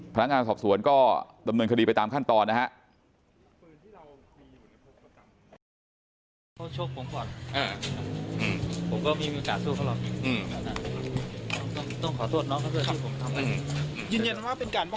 พนักงานสอบสวนก็ดำเนินคดีไปตามขั้นตอนนะฮะ